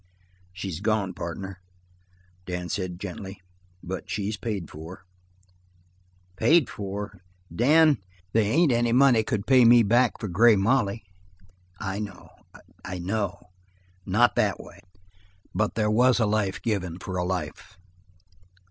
"She's gone, partner," Dan said gently, "but she's paid for." "Paid for? Dan, they ain't any money could pay me back for Grey Molly." "I know; I know! Not that way, but there was a life given for a life."